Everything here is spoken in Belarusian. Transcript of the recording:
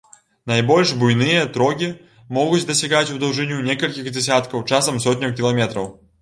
Найбольш буйныя трогі могуць дасягаць у даўжыню некалькіх дзесяткаў, часам сотняў кіламетраў.